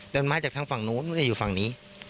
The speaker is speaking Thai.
แต่มาจากทางฝั่งนู้นไม่ได้อยู่ฝั่งนี้